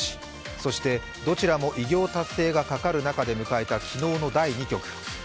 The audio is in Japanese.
そして、どちらも偉業達成がかかる中で迎えた昨日の第２局。